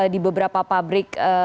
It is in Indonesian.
di beberapa pabrik